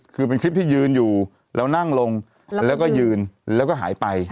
คือเป็นคลิปที่ยืนอยู่แล้วนั่งลงแล้วก็ยืนแล้วก็หายไป